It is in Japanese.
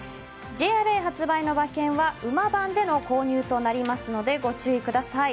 ＪＲＡ発売の馬券は馬番での購入となりますのでご注意ください。